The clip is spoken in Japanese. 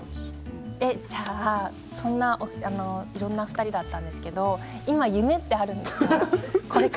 じゃあ、そんないろんなお二人だったんですけど今、夢ってあるんですか？